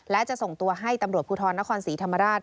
และจะส่งตัวให้ตำรวจภูทรนครศรีธรรมราช